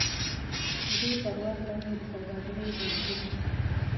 د دوی تر واک لاندې د سوداګرۍ برجونو.